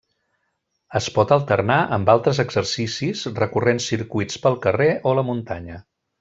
Es pot alternar amb altres exercicis recorrent circuits pel carrer o la muntanya.